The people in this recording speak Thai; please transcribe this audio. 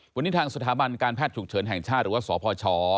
วันนี้ทางสถาบันการแพทย์ฉุกเฉินแห่งชาติหรือว่าสพช